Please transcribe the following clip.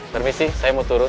permisi saya mau turun